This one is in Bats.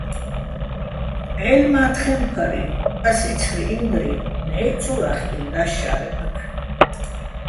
ჺაჲლ-მა́ჲთხემფარი, ას იცხრიჼ ინდრი ნჵაჲჸ ცო ლა́ხკინდას შა́რემაქ.